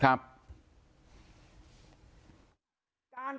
การแก้เคล็ดบางอย่างแค่นั้นเอง